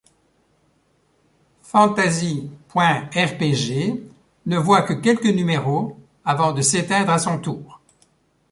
Fantasy.rpg ne voit que quelques numéros avant de s'éteindre à son tour.